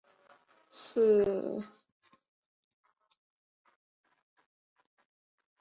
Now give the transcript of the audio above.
木登城堡的历史始于弗罗里斯五世。